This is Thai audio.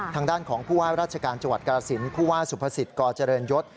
ทางด้านของผู้ว่าราชการจังหวัดกรสินผู้ว่าสุภสิทธิ์กเจริญยศ